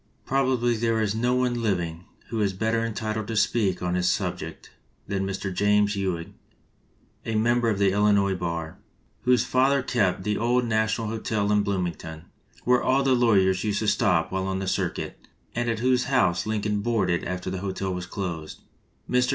Probably there is no one living who is better entitled to speak on this subject than Mr. James Ewing, a member of the Illinois bar, whose father kept the old National Hotel in Blooming ton, where all the lawyers used to stop while on the circuit, and at whose house Lincoln boarded after the hotel was closed. Mr.